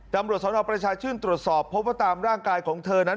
ตำรวจสนประชาชื่นตรวจสอบพบว่าตามร่างกายของเธอนั้น